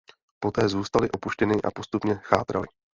Poté zůstaly opuštěny a postupně chátraly.